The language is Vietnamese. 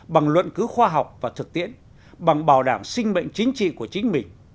bằng luận cứu khoa học và thực tiễn bằng bảo đảm sinh mệnh chính trị của chính mình